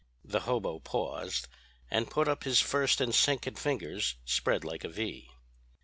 "The hobo paused, and put up his first and second fingers spread like a V.